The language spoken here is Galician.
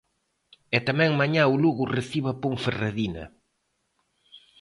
E tamén mañá o Lugo recibe a Ponferradina.